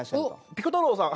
ピコ太郎さん